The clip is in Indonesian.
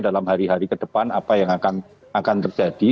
dalam hari hari ke depan apa yang akan terjadi